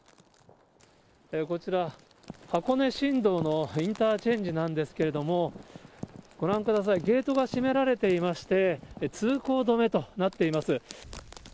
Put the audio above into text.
こちら、箱根新道のインターチェンジなんですけれども、ご覧ください、ゲートが閉められていまして、通行止めとなっています。